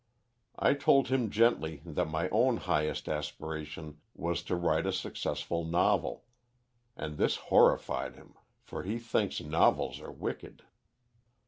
I told him gently that my own highest aspiration was to write a successful novel, and this horrified him, for he thinks novels are wicked.